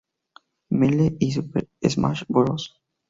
Melee y Super Smash Bros.